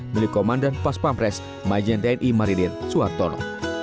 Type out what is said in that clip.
melih komandan pas pampres majen tni marinir suartono